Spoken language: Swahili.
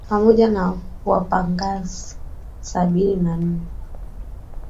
Pamoja na wapagazi sabini na nne